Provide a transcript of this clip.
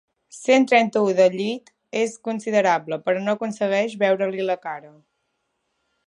Cent trenta-u de llit és considerable, però no aconsegueix veure-li la cara.